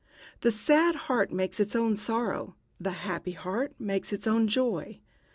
The sad heart makes its own sorrow, the happy heart makes its own joy.